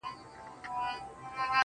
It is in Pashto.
که دې د سترگو له سکروټو نه فناه واخلمه.